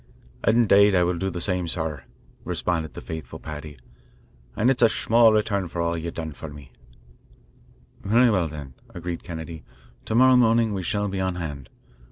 "Indade I will do that same, sor," responded the faithful Paddy, "an' it's a shmall return for all ye've done for me." "Very well, then," agreed Kennedy. "To morrow morning we shall be on hand.